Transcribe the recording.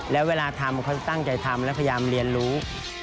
แล้วเวลาทำเขาตั้งใจทำแล้วพยายามเรียนรู้